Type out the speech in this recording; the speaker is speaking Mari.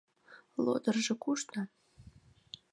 Лодыржо кушто?